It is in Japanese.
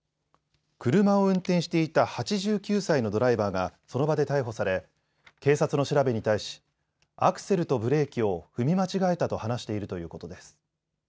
車を運転していた８９歳のドライバーがその場で逮捕され警察の調べに対しアクセルとブレーキを踏み間違えたと話しているということです。